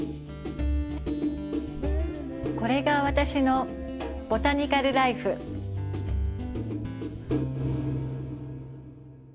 これが私のボタニカル・らいふ。